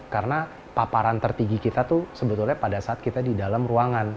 karena paparan tertinggi kita tuh sebetulnya pada saat kita di dalam ruangan